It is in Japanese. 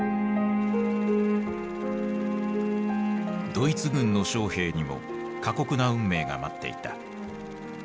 ドイツ軍の将兵にも過酷な運命が待っていた。